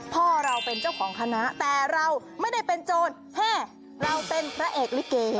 พ่อเราเป็นเจ้าของคณะแต่เราไม่ได้เป็นโจรเฮ่เราเป็นพระเอกลิเก